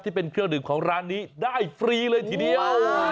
ที่เป็นเครื่องดื่มของร้านนี้ได้ฟรีเลยทีเดียว